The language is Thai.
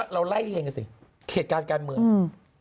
เราไล่เรียงกันสิเหตุการณ์การเมืองอืม